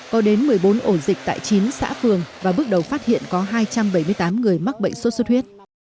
có đến một mươi bốn ổ dịch tại chín xã phường và bước đầu phát hiện có hai trăm bảy mươi tám người mắc bệnh sốt xuất huyết